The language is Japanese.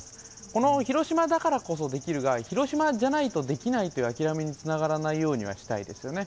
この広島だからこそできるが、広島じゃないとできないという、諦めにつながらないようにはしたいですよね。